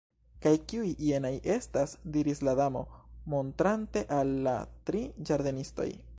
"Kaj kiuj jenaj estas?" diris la Damo, montrante al la tri ĝardenistoj.